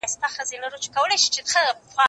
سبزیجات جمع کړه،